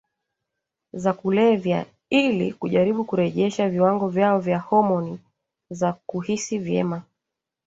za kulevya ili kujaribu kurejesha viwango vyao vya homoni za kuhisi vyema